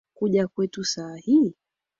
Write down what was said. Kuja kwetu sa hii